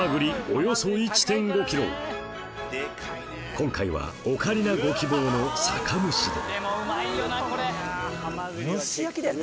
今回はオカリナご希望の酒蒸しで蒸し焼きだよね。